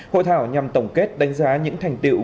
hội thảo nhằm tổng kết đánh giá những thành tiệu